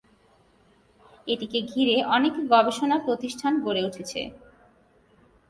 এটিকে ঘিরে অনেক গবেষণা প্রতিষ্ঠান গড়ে উঠেছে।